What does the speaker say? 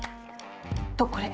とこれ。